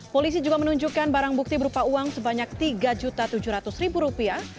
polisi juga menunjukkan barang bukti berupa uang sebanyak tiga tujuh ratus rupiah